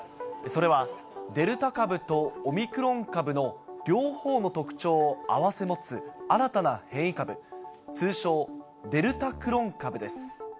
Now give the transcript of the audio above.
それはデルタ株とオミクロン株の両方の特徴を併せ持つ、新たな変異株、通称、デルタクロン株です。